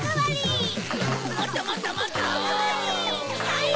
はい！